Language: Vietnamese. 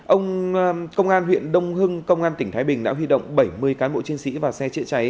ông công an huyện đông hưng công an tỉnh thái bình đã huy động bảy mươi cán bộ chiến sĩ và xe chữa cháy